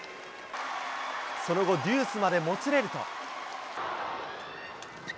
その後、デュースまでもつれると。